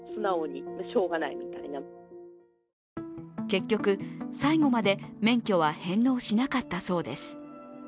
結局、最後まで免許は返納しなかったそうです。